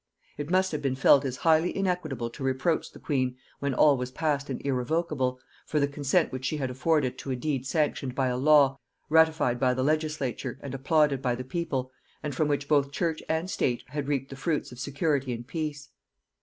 It must have been felt as highly inequitable to reproach the queen, when all was past and irrevocable, for the consent which she had afforded to a deed sanctioned by a law, ratified by the legislature and applauded by the people, and from which both church and state had reaped the fruits of security and peace.